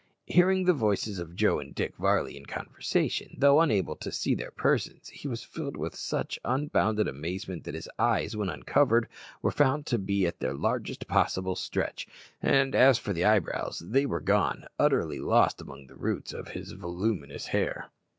Hearing the voices of Joe and Dick Varley in conversation, though unable to see their persons, he was filled with such unbounded amazement that his eyes, when uncovered, were found to be at their largest possible stretch, and as for the eyebrows they were gone, utterly lost among the roots of his voluminous hair.